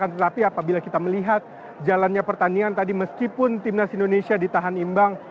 tetapi apabila kita melihat jalannya pertandingan tadi meskipun timnas indonesia ditahan imbang